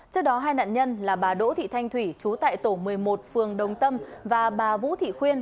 trước đó hai nạn nhân là bà đỗ thị thanh thủy chú tại tổ một mươi một phường đồng tâm và bà vũ thị khuyên